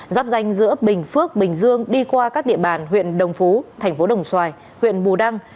giáp danh giữa bình phước bình dương đi qua các địa bàn huyện đồng phú thành phố đồng xoài huyện bù đăng